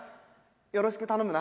よろしく頼むな。